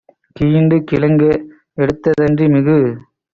கீண்டுகிழங் கேஎடுத்த தன்றி - மிகு